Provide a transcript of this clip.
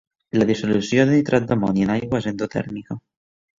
La dissolució de nitrat d'amoni en aigua és endotèrmica.